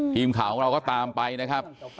ทีมข่าวของเราก็ตามไปนะครับ